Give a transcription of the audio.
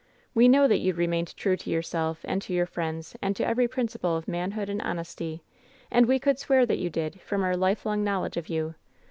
We know that you remained true to yourself and to your friends and to every principle of manhood and honesty, and we could swear that you did, from our lifelong knowledge of you!